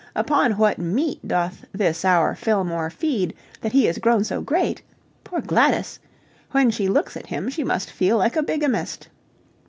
Upon what meat doth this our Fillmore feed that he is grown so great? Poor Gladys! When she looks at him she must feel like a bigamist.